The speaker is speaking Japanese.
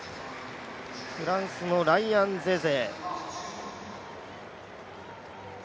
フランスのライアン・ゼゼ。